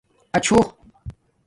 اچھُو